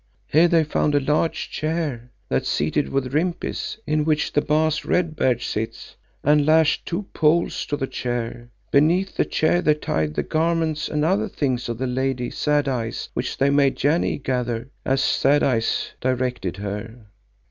Here they found a large chair, that seated with rimpis in which the Baas Red Beard sits, and lashed two poles to the chair. Beneath the chair they tied the garments and other things of the Lady Sad Eyes which they made Janee gather as Sad Eyes directed her.